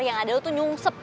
yang ada lo tuh nyungsep